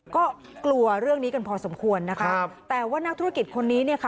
ก็กลัวเรื่องนี้กันพอสมควรนะคะครับแต่ว่านักธุรกิจคนนี้เนี่ยค่ะ